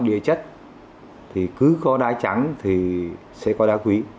địa chất thì cứ có đá trắng thì sẽ có đá quỷ